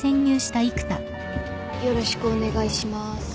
よろしくお願いします。